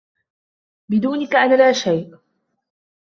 بدونك أنا لا شيء.